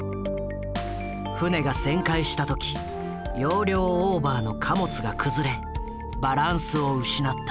船が旋回した時容量オーバーの貨物が崩れバランスを失った。